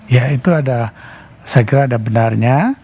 ya itu ada saya kira ada benarnya